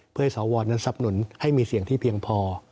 เพื่อให้สวนั้นสับหนุนให้มีเสียงที่เพียงพอ